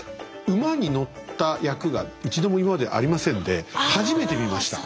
馬に乗った役が一度も今までありませんで初めて見ました。